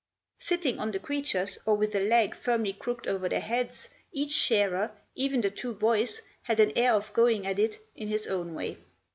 Sitting on the creatures, or with a leg firmly crooked over their heads, each shearer, even the two boys, had an air of going at it in his own way.